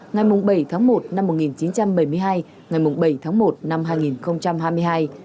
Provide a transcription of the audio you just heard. ngày bảy một một nghìn chín trăm bảy mươi hai ngày bảy một hai nghìn hai mươi hai